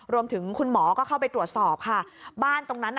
รวมถึงคุณหมอก็เข้าไปตรวจสอบค่ะบ้านตรงนั้นน่ะ